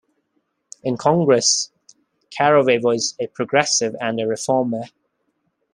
In Congress, Caraway was a progressive and a reformer.